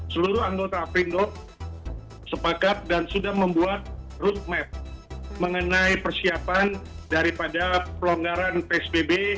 seluruh anggota perindo sepakat dan sudah membuat roadmap mengenai persiapan daripada pelonggaran psbb